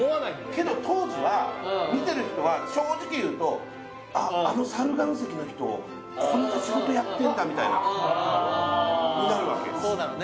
けど当時は見てる人は正直言うとあっあの猿岩石の人こんな仕事やってんだみたいなとなるわけよ